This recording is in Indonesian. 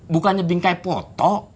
bukannya bingkai foto